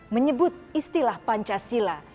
menyebut istilah pancasila